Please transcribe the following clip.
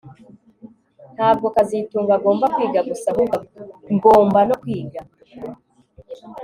Ntabwo kazitunga agomba kwiga gusa ahubwo ngomba no kwiga